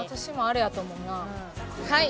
はい。